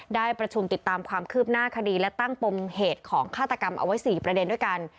ได้ประชุมติดตามความคืบหน้าคดีและตั้งปมเหตุของฆาตกรรมเอาไว้๔ประเด็นด้วยกัน